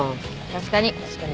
確かに。